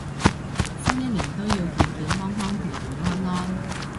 新一年都要健健康康平平安安